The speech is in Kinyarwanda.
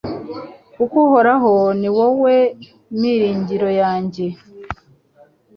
Koko Uhoraho ni wowe miringiro yanjye